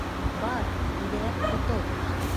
Бар, тиҙерәк ҡотол.